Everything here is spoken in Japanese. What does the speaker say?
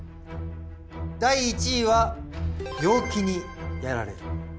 第１位は病気にやられる。